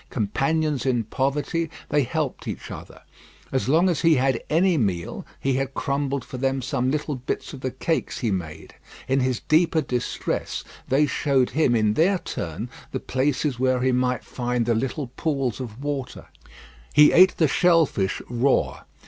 Companions in poverty, they helped each other. As long as he had had any meal, he had crumbled for them some little bits of the cakes he made. In his deeper distress they showed him in their turn the places where he might find the little pools of water. He ate the shell fish raw.